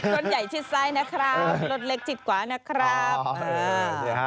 รถใหญ่ชิดซ้ายนะครับรถเล็กชิดขวานะครับอ๋อเห็นไหมครับ